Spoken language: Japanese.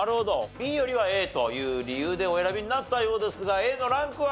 ＢよりはＡという理由でお選びになったようですがＡのランクは？